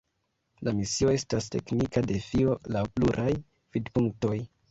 La misio estas teknika defio laŭ pluraj vidpunktoj.